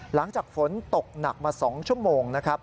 หลังจากฝนตกหนักมา๒ชั่วโมงนะครับ